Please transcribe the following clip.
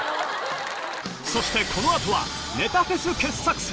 そしてこのあとは、ネタフェス傑作選。